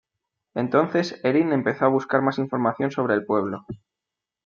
Entonces Erin empezó a buscar más información sobre el pueblo.